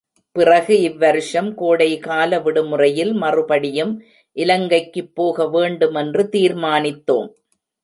பிறகு இவ்வருஷம் கோடைக்கால விடுமுறையில் மறுபடியும் இலங்கைக்குப் போகவேண்டுமென்று தீர்மானித்தோம்.